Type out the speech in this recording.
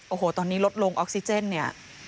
โอ้โหตอนนี้ลดลงออกซิเจนเนี่ย